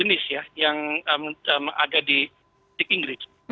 kita sudah menemukan krisis yang ada di stik inggris